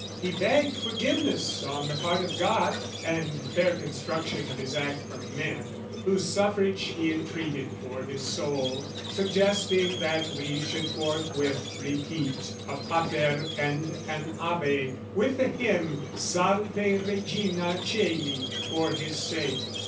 "He begged forgiveness on the part of God, "And fair construction of his act from men, "Whose suffrage he entreated for his soul, "Suggesting that we should forthwith repeat "A Pater and an Ave, with the hymn "Salve Regina Caeli, for his sake.